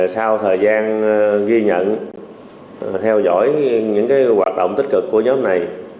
sau thời gian ghi nhận theo dõi những hoạt động tích cực của nhóm này